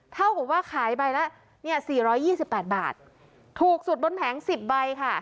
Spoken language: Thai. เท่ากับว่าขายไปแล้วเนี่ยสี่ร้อยยี่สิบแปดบาทถูกสุดบนแผงสิบใบค่ะ